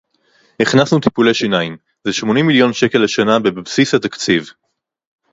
הכנסנו טיפולי שיניים; זה שמונים מיליון שקל לשנה בבסיס התקציב